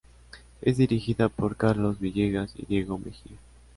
Es dirigida por Carlos Villegas y Diego Mejía.